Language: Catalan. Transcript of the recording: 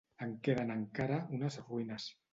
En queden encara unes ruïnes.